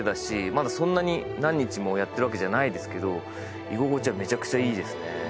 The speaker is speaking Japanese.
まだそんなに何日もやってるわけじゃないですけど居心地はめちゃくちゃいいですね